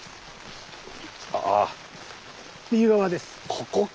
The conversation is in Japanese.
ここか。